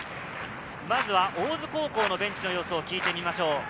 まずは大津高校のベンチの様子を聞いてみましょう。